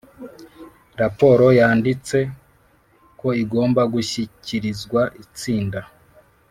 raporo yanditse ko igomba gushyikirizwa itsinda